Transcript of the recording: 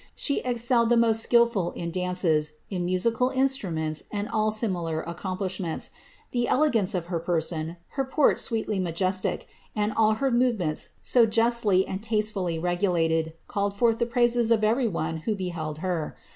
She excelled the most skilful in dances, ii musical instruments, and all similar accomplishments ; the elegance of her person, her port sweetly majestic, and all her movements so jasdy and tastefully regulated, called forth the praises of every one who behcM her.